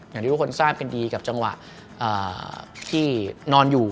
อย่างที่ทุกคนทราบกันดีกับจังหวะที่นอนอยู่